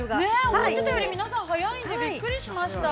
◆思ってたより、皆さん早いんでびっくりしました。